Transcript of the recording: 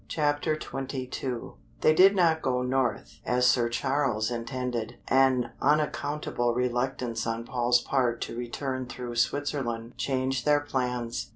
CHAPTER XXII They did not go north, as Sir Charles intended, an unaccountable reluctance on Paul's part to return through Switzerland changed their plans.